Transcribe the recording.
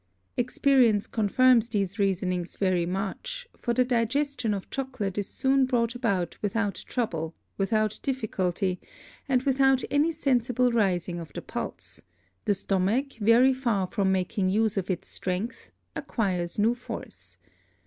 Experience confirms these Reasonings very much, for the Digestion of Chocolate is soon brought about without Trouble, without Difficulty, and without any sensible rising of the Pulse; the Stomach very far from making use of its Strength, acquires new Force.